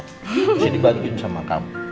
bisa dibantuin sama kamu